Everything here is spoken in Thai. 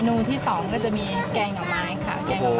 อันนูที่สองก็จะมีแกงหน่อไม้ค่ะ